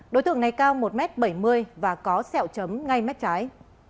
đối tượng này cao một m bảy mươi và có sẹo chấm ngay mép trái